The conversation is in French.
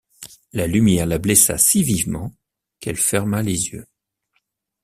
La lumière la blessa si vivement qu’elle ferma les yeux.